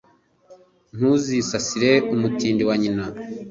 Ntuzisasire Mutindi wa Nyina.